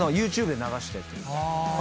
ＹｏｕＴｕｂｅで流して。